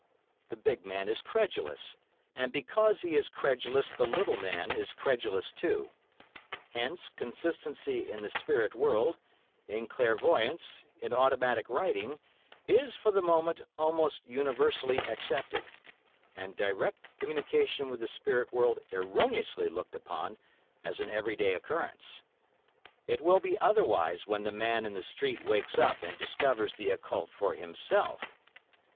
The big man is credulous, and because he is credulous the little man is credulous too. Hence, consistency in the spirit world, in clairvoyance, in automatic writing, is, for the moment, almost universally accepted, and direct communication with the spirit world erroneously looked upon as an every day occurrence. It will be otherwise when the man in the street wakes up and discovers the occult for himself.